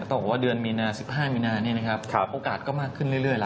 ต้องบอกว่าเดือนมีนา๑๕มีนานี่นะครับโอกาสก็มากขึ้นเรื่อยละ